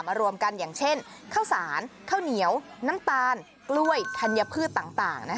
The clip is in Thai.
รวมกันอย่างเช่นข้าวสารข้าวเหนียวน้ำตาลกล้วยธัญพืชต่าง